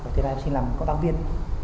thế là em xin làm công tác viên